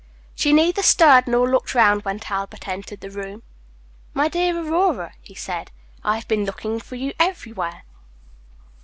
She neither stirred nor looked round when Talbot entered the room. "My dear Aurora," he said, "I have been looking for you everywhere."